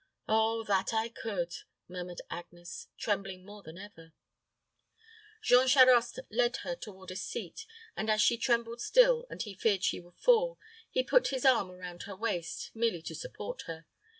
"Oh that I could." murmured Agnes, trembling more than ever. Jean Charost led her toward a seat, and as she trembled still, and he feared she would fall, he put his arm around her waist, merely to support her.